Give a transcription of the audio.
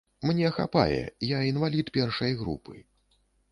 Мне хапае, я інвалід першай групы.